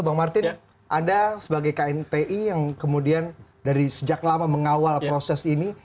bang martin anda sebagai knti yang kemudian dari sejak lama mengawal proses ini